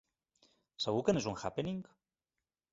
Segur que no és un happening?